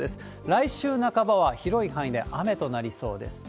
来週半ばは広い範囲で雨となりそうです。